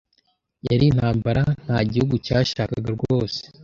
Yari intambara nta gihugu cyashakaga rwose.